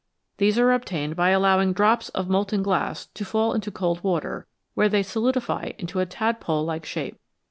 These are obtained by allowing drops of molten glass to fall into cold water, where they solidify in a tadpole like shape.